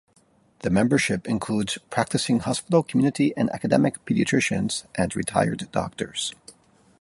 The membership includes practicing hospital, community and academic paediatricians and retired doctors.